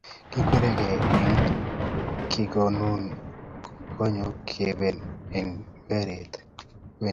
Kikwer kei ne kikonun komong'une kebenet eng ing'weny.